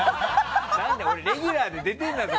俺、レギュラーで出てるんだぞ。